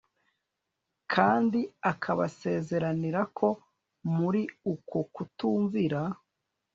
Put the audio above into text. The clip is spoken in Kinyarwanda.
kandi akabasezeranira ko muri uko kutumvira